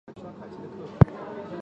罕见遗传疾病一点通